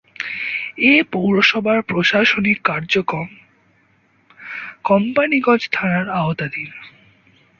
এ পৌরসভার প্রশাসনিক কার্যক্রম কোম্পানীগঞ্জ থানার আওতাধীন।